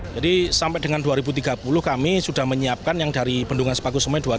jadi sampai dengan dua ribu tiga puluh kami sudah menyiapkan yang dari bendungan sepakusmoi dua ribu